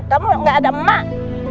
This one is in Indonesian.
kamu gak ada emak